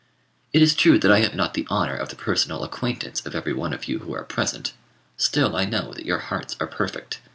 It is true that I have not the honour of the personal acquaintance of every one of you who are present: still I know that your hearts are perfect.